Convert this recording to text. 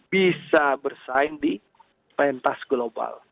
bisa bersaing di pentas global